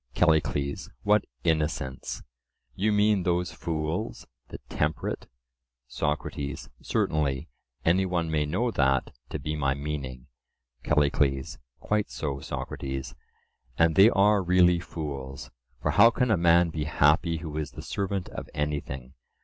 CALLICLES: What innocence! you mean those fools,—the temperate? SOCRATES: Certainly:—any one may know that to be my meaning. CALLICLES: Quite so, Socrates; and they are really fools, for how can a man be happy who is the servant of anything?